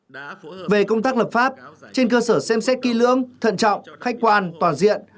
trong các lập pháp trên cơ sở xem xét ký lưỡng thận trọng khách quan toàn diện